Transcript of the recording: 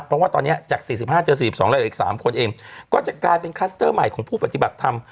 เพราะว่าตอนนี้จาก๔๕เจอ๔๒แล้วเหลืออีก๓คนเองก็จะกลายเป็นคลัสเตอร์ใหม่ของผู้ปฏิบัติธรรม